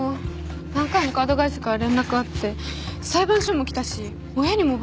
何回もカード会社から連絡あって裁判所も来たし親にもバレたし。